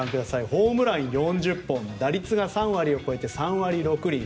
ホームラン４０本の打率が３割を超えて３割６厘。